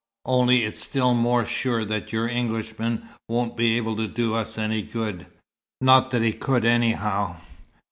Only it's still more sure that your Englishman won't be able to do us any good. Not that he could, anyhow."